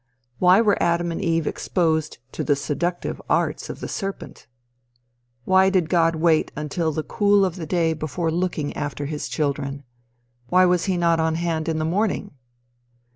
Why were Adam and Eve exposed to the seductive arts of the serpent? Why did God wait until the cool of the day before looking after his children? Why was he not on hand in the morning?